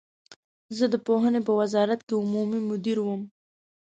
زه د پوهنې په وزارت کې عمومي مدیر وم.